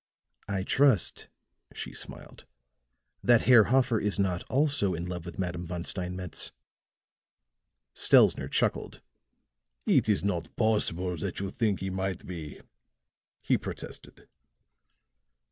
"I trust," she smiled, "that Herr Hoffer is not also in love with Madame Von Steinmetz." Stelzner chuckled. "It is not possible that you think he might be," he protested.